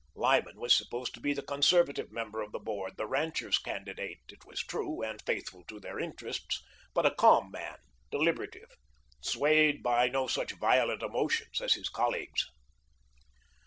Lyman was supposed to be the conservative member of the board, the ranchers' candidate, it was true, and faithful to their interests, but a calm man, deliberative, swayed by no such violent emotions as his colleagues.